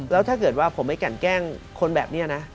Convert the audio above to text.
แล้วถ้าเกิดว่าผมไม่กันแกล้งคนแบบนี้นะ